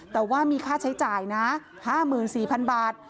แต่ว่ามีค่าใช้จ่ายนะ๕๔๐๐๐บาท